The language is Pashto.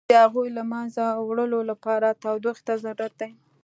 د هغوی له منځه وړلو لپاره تودوخې ته ضرورت دی.